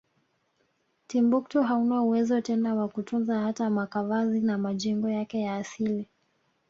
Timbuktu hauna uwezo tena wakutunza hata makavazi na majengo yake ya asili